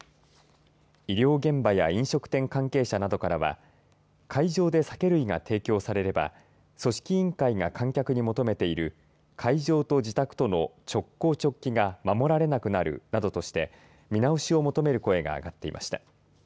医療現場や飲食店関係者などからは会場で酒類が提供されれば組織委員会が観客に求めている会場と自宅との直行直帰が守られなくなるなどとして見直しを求める声が上がっていました。